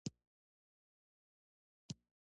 پانګوال د وزګارو افرادو د لښکر غوښتونکي دي